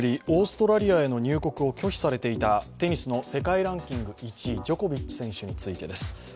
オーストラリアへの入国を拒否されていたテニスの世界ランキング１位、ジョコビッチ選手についてです。